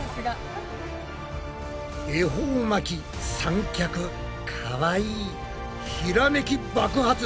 恵方巻き三脚かわいいひらめき爆発！